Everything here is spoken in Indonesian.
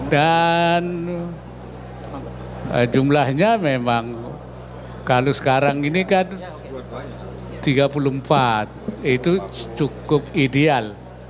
dan jumlahnya memang kalau sekarang ini kan tiga puluh empat itu cukup ideal